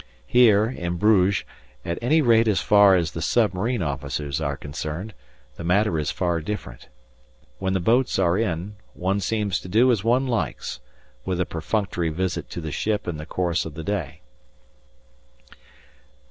Here, in Bruges, at any rate as far as the submarine officers are concerned, the matter is far different. When the boats are in, one seems to do as one likes, with a perfunctory visit to the ship in the course of the day.